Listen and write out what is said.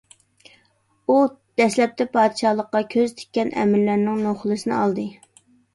ئۇ دەسلەپتە پادىشاھلىققا كۆز تىككەن ئەمىرلەرنىڭ نوخلىسىنى ئالدى.